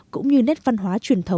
cũng như nét văn hóa